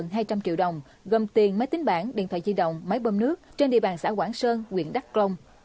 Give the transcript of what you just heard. tổng số tài sản gần hai trăm linh triệu đồng gồm tiền máy tính bản điện thoại di động máy bơm nước trên địa bàn xã quảng sơn huyện đắc long